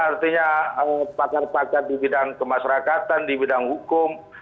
artinya pakar pakar di bidang kemasyarakatan di bidang hukum